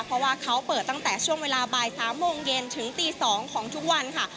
เพราะว่าเขาเปิดตั้งแต่ช่วงเวลาบ่าย๓โมงเย็นถึงตี๒ของทุกวันค่ะ